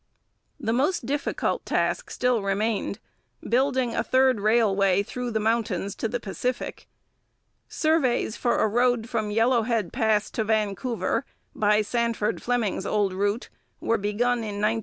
The most difficult task still remained building a third railway through the mountains to the Pacific. Surveys for a road from Yellowhead Pass to Vancouver by Sandford Fleming's old route were begun in 1908.